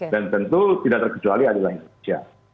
dan tentu tidak terkecuali adalah indonesia